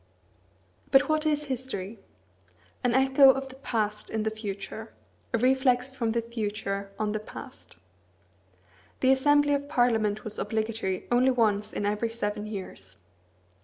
But what is history? An echo of the past in the future; a reflex from the future on the past. The assembly of Parliament was obligatory only once in every seven years.